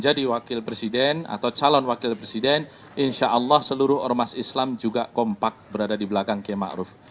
jadi wakil presiden atau calon wakil presiden insyaallah seluruh ormas islam juga kompak berada di belakang km aruf